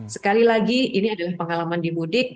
sekali lagi ini adalah pengalaman di mudik